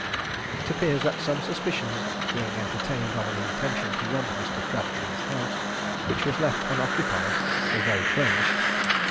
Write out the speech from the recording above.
It appears that some suspicions being entertained of an intention to rob Mr. Crabtree's house, which was left unoccupied, although furnished.